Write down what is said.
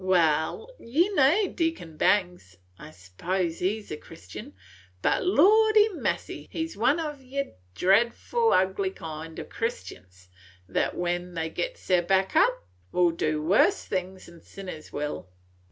Wal, ye know Deacon Bangs, – I s'pose he 's a Christian, – but, lordy massy, he 's one o' yer dreadful ugly kind o' Christians, that, when they gits their backs up, will do worse things than sinners will.